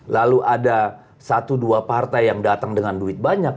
lalu ada satu dua partai yang datang dengan duit banyak